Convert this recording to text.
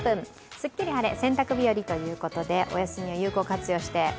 すっきり晴れ、洗濯日和ということでお休みを有効活用して。